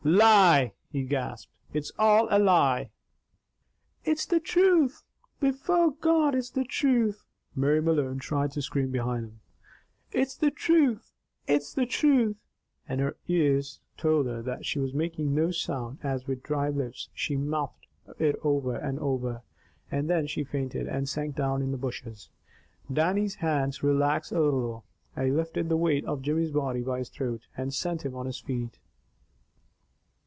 "Lie!" he gasped. "It's all a lie!" "It's the truth! Before God it's the truth!" Mary Malone tried to scream behind them. "It's the truth! It's the truth!" And her ears told her that she was making no sound as with dry lips she mouthed it over and over. And then she fainted, and sank down in the bushes. Dannie's hands relaxed a little, he lifted the weight of Jimmy's body by his throat, and set him on his feet.